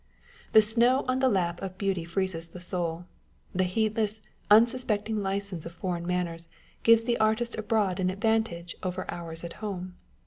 The snow on the lap of beauty freezes the soul. The heedless, unsuspecting licence of foreign manners gives the artist abroad an ad vantage over ours at home.